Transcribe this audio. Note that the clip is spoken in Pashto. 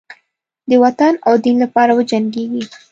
د وطن او دین لپاره وجنګیږي.